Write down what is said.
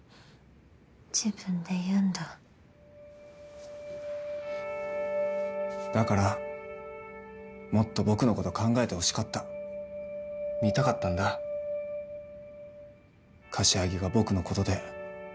自分で言うんだだからもっと僕のこと考えてほしかった見たかったんだ柏木が僕のことで一喜一憂してるところ